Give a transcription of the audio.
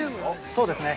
◆そうですね。